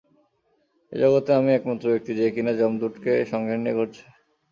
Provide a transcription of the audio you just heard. এই জগতে আমিই একমাত্র ব্যাক্তি যে কিনা যমদূতকে সঙ্গে নিয়ে ঘুরছে।